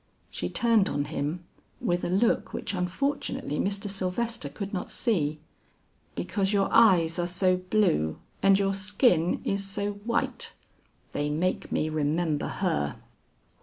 She turned on him with a look which unfortunately Mr. Sylvester could not see. "Because your eyes are so blue and your skin is so white; they make me remember her!"